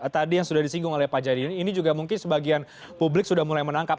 tadi yang sudah disinggung oleh pak jadi ini juga mungkin sebagian publik sudah mulai menangkap